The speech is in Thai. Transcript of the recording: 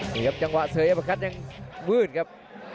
ดูครับจังหวะเสยร์แอปพระคัทยังวืดครับ